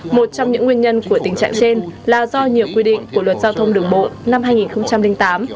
một trong những nguyên nhân của tình trạng trên là do nhiều quy định của luật giao thông đường bộ năm hai nghìn tám